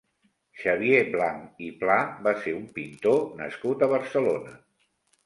Xavier Blanch i Pla va ser un pintor nascut a Barcelona.